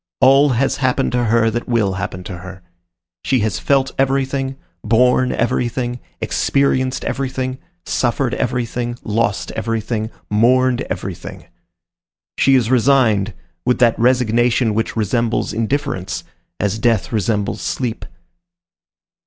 All has happened to her that will happen to her. She has felt everything, borne everything, experienced everything, suffered everything, lost everything, mourned everything. She is resigned, with that resignation which resembles indifference, as death resembles sleep.